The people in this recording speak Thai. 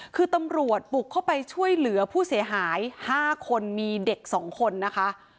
คือตำรวจบุกเข้าไปช่วยเหลือผู้เสียหาย๕คนมีเด็ก๒คนนะคะ